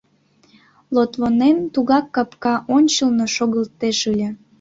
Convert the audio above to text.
Лотвонен тугак капка ончылно шогылтеш ыле.